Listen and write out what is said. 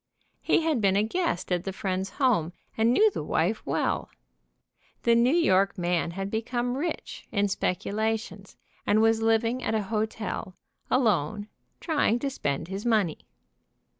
He had been a guest at the friend's home, and knew the wife well. The New York man had become rich, in speculations, and was living at a hotel, alone, trying to spend his money.